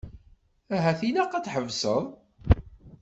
Ahat ilaq ad tḥebseḍ.